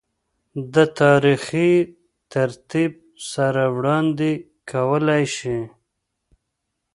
دَ تاريخي ترتيب سره وړاند ې کولے شي